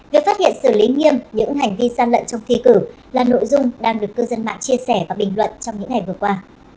việc phát hiện xử lý nghiêm những hành vi gian lận trong thi cử là nội dung đang được cư dân mạng chia sẻ và bình luận trong những ngày vừa qua